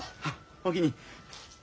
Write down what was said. おおきに。